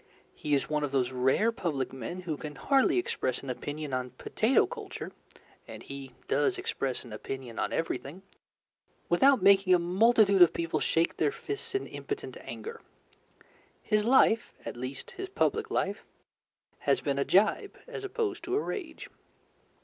He is one of those rare public men who can hardly express an opinion on potato culture and he does express an opinion on everything without making a multitude of people shake their fists in impotent anger. His life at least, his public life has been a jibe opposed to a rage.